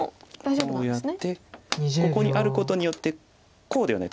こうやってここにあることによってこうではないと。